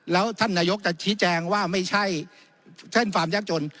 แล้วท่านนายกจะชี้แจงว่าไม่ใช่เส้นความยากจน